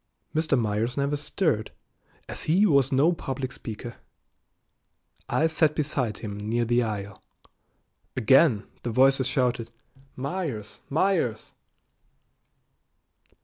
Mr. Myers never stirred, as he was no public speaker. I sat beside him near the aisle. Again the voices shouted "Myers! Myers!"